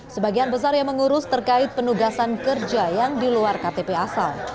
sebagian besar yang mengurus terkait penugasan kerja yang di luar ktp asal